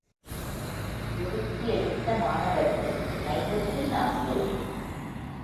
பொறுக்கி எடுத்த மாணவர்கள் ஐம்பத்து நான்கு.